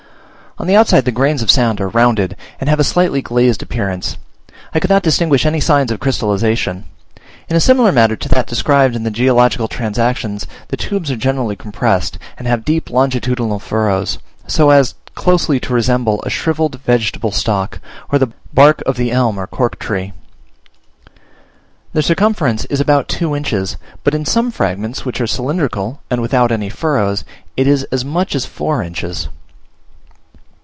On the outside the grains of sand are rounded, and have a slightly glazed appearance: I could not distinguish any signs of crystallization. In a similar manner to that described in the Geological Transactions, the tubes are generally compressed, and have deep longitudinal furrows, so as closely to resemble a shrivelled vegetable stalk, or the bark of the elm or cork tree. Their circumference is about two inches, but in some fragments, which are cylindrical and without any furrows, it is as much as four inches.